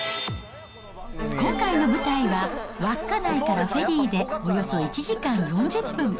今回の舞台は稚内からフェリーでおよそ１時間４０分。